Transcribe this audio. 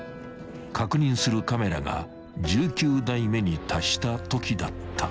［確認するカメラが１９台目に達したときだった］